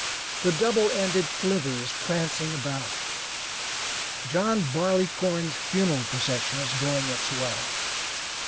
The double ended flivver is prancing about. John Barleycorn's funeral procession is going its way.